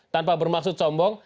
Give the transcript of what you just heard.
tanpa bermaksud sombong